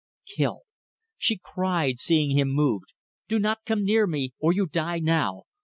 Kill!" She cried, seeing him move "Do not come near me ... or you die now!